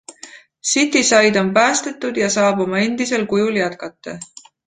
Cityside on päästetud ja saab oma endisel kujul jätkata.